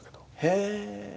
へえ！